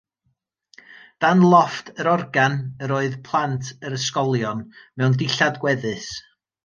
Dan lofft yr organ yr oedd plant yr ysgolion, mewn dillad gweddus.